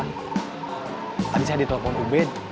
tadi saya ditelepon ubed